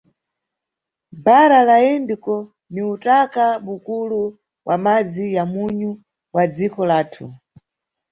Bhara la Indiko ni utaka bukulu bwa madzi ya munyu bwa dziko lathu.